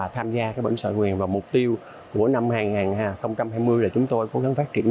tham gia bếm sò tự nguyện và mục tiêu của năm hai nghìn hai mươi là chúng tôi cố gắng phát triển